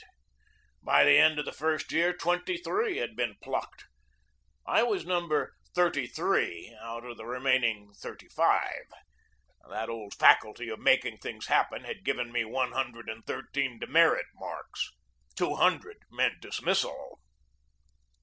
By the end of the first year twenty three had been plucked. I was number thirty three out of the remaining thirty five. That old faculty for making things happen had given me one hundred and thirteen demerit marks. Two hundred meant dismissal.